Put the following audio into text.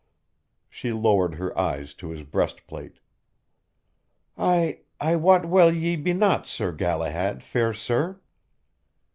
She lowered her eyes to his breastplate. "I ... I wot well ye be not Sir Galahad, fair sir.